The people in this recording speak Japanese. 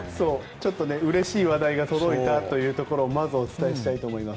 うれしい話題が届いたというところをまずお伝えしたいと思います。